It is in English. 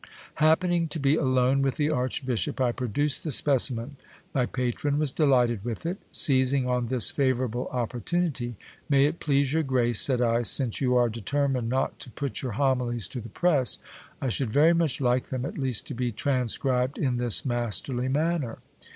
Happening to be alone with the archbishop, I produced the specimen. My patron was delighted with it. Seizing on this favourable op portunity, May it please your grace, said I, since you are determined not to put your homilies to the press, I should very much like them at least to be tran scribed in this masterly manner.